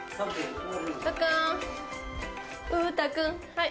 はい。